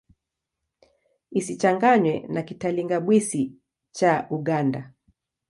Isichanganywe na Kitalinga-Bwisi cha Uganda.